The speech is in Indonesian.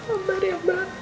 ambar ya ambar